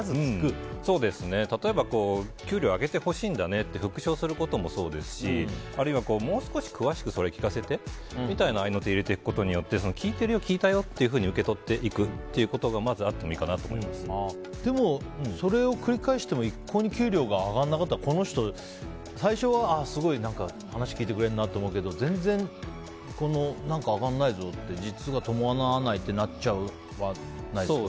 例えば給料を上げてほしいんだねって復唱することもそうですしあるいはもう少しそれ聞かせてみたいな合いの手を入れていくことで聞いているよ、聞いたよと受け取っていくということがでも、それを繰り返しても一向に給料が上がらなかったらこの人、最初は、すごい話聞いてくれるなと思うけど全然上がらないぞって実が伴わないってなっちゃわないですか？